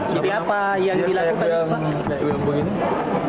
jadi apa yang dilakukan